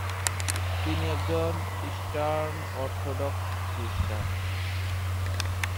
তিনি একজন eastern orthodox খ্রিস্টান।